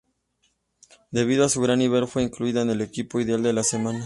Debido a su gran nivel, fue incluido en el equipo ideal de la semana.